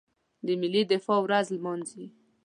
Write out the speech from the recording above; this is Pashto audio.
د ملي دفاع ورځ نمانځي.